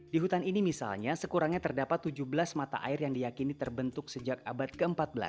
di hutan ini misalnya sekurangnya terdapat tujuh belas mata air yang diyakini terbentuk sejak abad ke empat belas